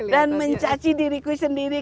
dan mencaci diriku sendiri